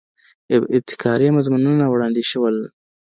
ابتکاري مضمونونه وړاندې شول.